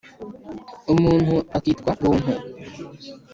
umuntu akitwa runtu.